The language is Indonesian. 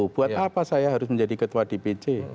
buat apa saya harus menjadi ketua dpc